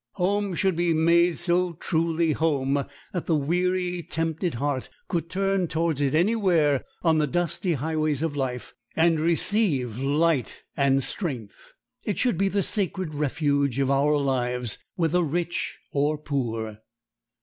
Home should be made so truly home that the weary, tempted heart could turn towards it anywhere on the dusty highways of life, and receive light and strength. It should be the sacred refuge of our lives, whether rich or poor.